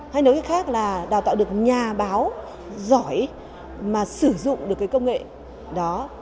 hay nói cách khác là đào tạo được nhà báo giỏi mà sử dụng được công nghệ đó